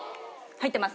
入ってます！